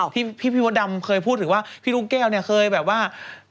ที่พี่พี่มดดำเคยพูดถึงว่าพี่ลูกแก้เคยแบบว่า